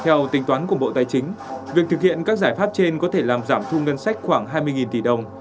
theo tính toán của bộ tài chính việc thực hiện các giải pháp trên có thể làm giảm thu ngân sách khoảng hai mươi tỷ đồng